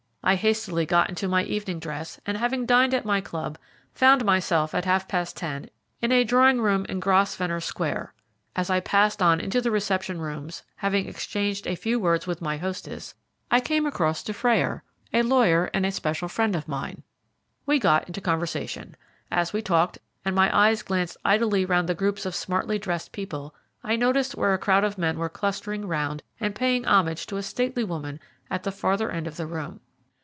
I hastily got into my evening dress, and having dined at my club, found myself at half past ten in a drawing room in Grosvenor Square. As I passed on into the reception rooms, having exchanged a few words with my hostess, I came across Dufrayer, a lawyer, and a special friend of mine. We got into conversation. As we talked, and my eyes glanced idly round the groups of smartly dressed people, I noticed where a crowd of men were clustering round and paying homage to a stately woman at the farther end of the room.